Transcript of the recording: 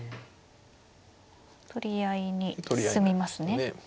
取り合いに進みますね。